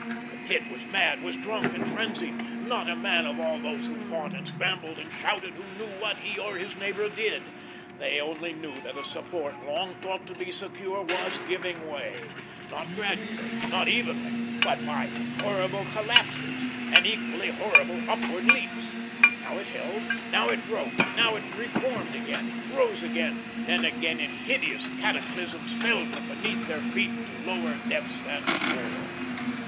The Pit was mad, was drunk and frenzied; not a man of all those who fought and scrambled and shouted who knew what he or his neighbour did. They only knew that a support long thought to be secure was giving way; not gradually, not evenly, but by horrible collapses, and equally horrible upward leaps. Now it held, now it broke, now it reformed again, rose again, then again in hideous cataclysms fell from beneath their feet to lower depths than before.